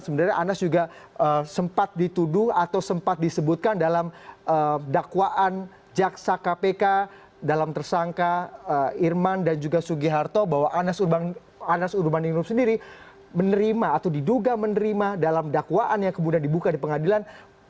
sebenarnya anas juga sempat dituduh atau sempat disebutkan dalam dakwaan jaksa kpk dalam tersangka irman dan juga sugiharto bahwa anas urbaningrum sendiri menerima atau diduga menerima dalam dakwaan yang kemudian dibuka di pengadilan